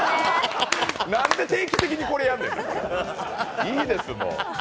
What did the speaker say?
なんで定期的にこれやんねん、いいです、もう。